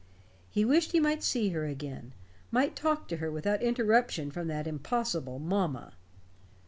He wished he might see her again; might talk to her without interruption from that impossible "mamma."